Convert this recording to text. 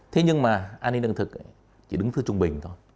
thế nhưng mà an ninh lương thực chỉ đứng thứ trung bình thôi